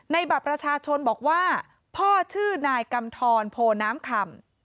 บัตรประชาชนบอกว่าพ่อชื่อนายกำทรโพน้ำคำ